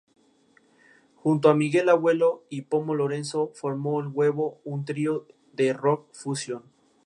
La isla es bilingüe, pero la mayoría es de habla sueco.